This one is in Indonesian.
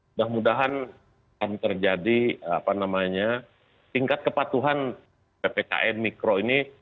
mudah mudahan akan terjadi tingkat kepatuhan ppkm mikro ini